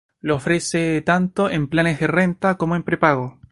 Lo ofrece tanto en planes de renta como en prepago.